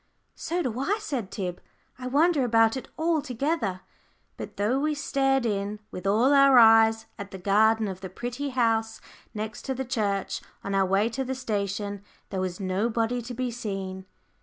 "So do I," said Tib; "I wonder about it altogether." But though we stared in with all our eyes at the garden of the pretty house next the church, on our way to the station, there was nobody to be seen.